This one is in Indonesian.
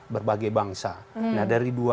berbagai bangsa nah dari